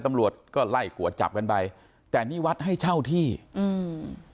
ตำรวจก็ไล่กวดจับกันไปแต่นี่วัดให้เช่าที่อืม